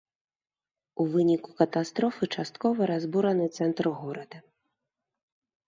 У выніку катастрофы часткова разбураны цэнтр горада.